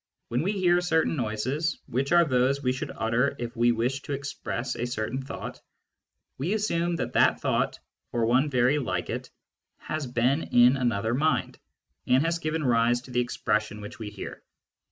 When we hear certain noises, which are those we should utter if we wished to express a certain thought, we assume that that thought, or one very like it, has been in another mind, and has given rise to the expression which we hear.